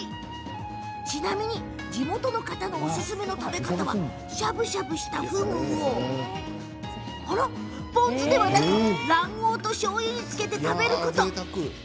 ちなみに地元の方のおすすめの食べ方はしゃぶしゃぶした、ふぐをポン酢ではなく卵黄としょうゆにつけて食べること。